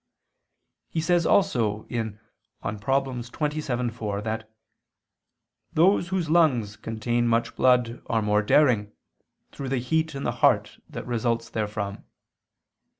He says also (De Problem. xxvii, 4), that "those whose lungs contain much blood, are more daring, through the heat in the heart that results therefrom."